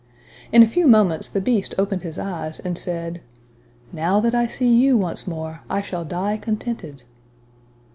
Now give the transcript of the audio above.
In a few moments the Beast opened his eyes, and said, "now, that I see you once more, I shall die contented."